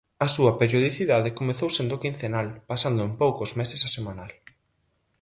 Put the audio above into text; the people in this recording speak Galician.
A súa periodicidade comezou sendo quincenal, pasando en poucos meses a semanal.